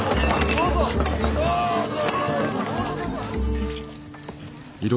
どうぞどうぞ！